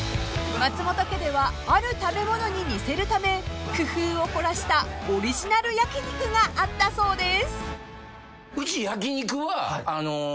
［松本家ではある食べ物に似せるため工夫を凝らしたオリジナル焼き肉があったそうです］